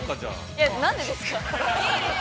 ◆いや、なんでですか。